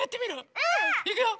うん！いくよ！